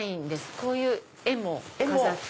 こういう絵も飾って。